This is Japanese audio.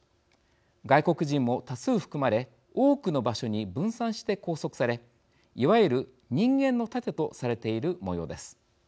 外国人も多数含まれ多くの場所に分散して拘束されいわゆる人間の盾とされているもようです。